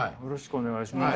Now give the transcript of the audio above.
お願いします。